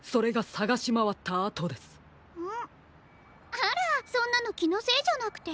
あらそんなのきのせいじゃなくて？